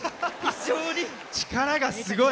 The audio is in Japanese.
力がすごい。